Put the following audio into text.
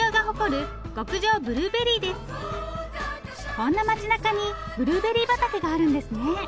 こんな街なかにブルーベリー畑があるんですね。